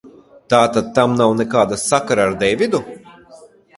Tātad tam nav nekāda sakara ar Deividu?